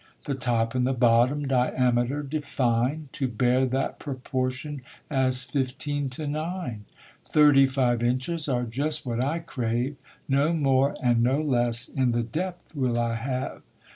The top and the bottom diameter define, To bear that proportion as fifteen to nine ; Thirty five inches are just what I crave, No more and no less, in the depth will I have.